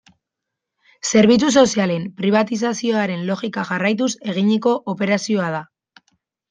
Zerbitzu sozialen pribatizazioaren logika jarraituz eginiko operazioa da.